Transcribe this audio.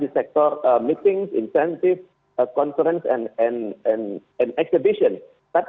dan ini tidak mustahil kedepannya saya akan melihat pihak pihak yang akan mempersulit hidup indonesia dengan mengantuknya